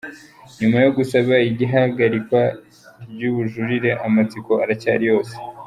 Nyuma yo gusaba ihagarikwa ry'ubujurire, amatsiko aracyari yose.